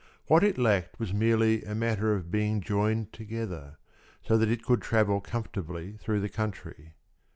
What it lacked was merely a matter of being joined together, so that it could travel comfortably through the country.